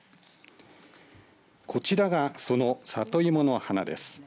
こちらがその里芋の花です。